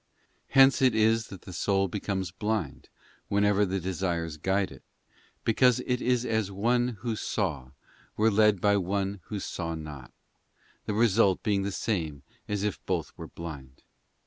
Hence it is that the soul becomes blind whenever the desires guide it, because it is as if one who saw were led by one who saw not: the result being the same as if both were blind.